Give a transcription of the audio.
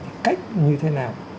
thì cách như thế nào